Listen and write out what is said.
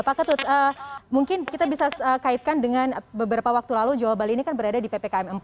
pak ketut mungkin kita bisa kaitkan dengan beberapa waktu lalu jawa bali ini kan berada di ppkm empat